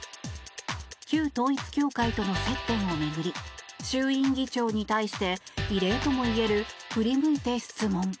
旧統一教会との接点を巡り衆院議長に対して異例ともいえる振り向いて質問。